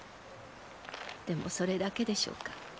でもそれだけでしょうか？